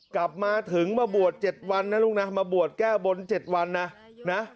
กลับมาถึงมาบวชแก้วบน๗วันนะลูกนะ